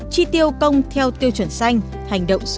tri tiêu công theo tiêu chuẩn xanh